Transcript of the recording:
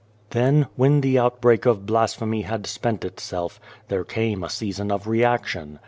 Then, when the outbreak of blasphemy had spent itself, there came a season of reaction.